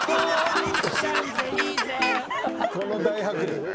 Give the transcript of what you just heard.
この大迫力。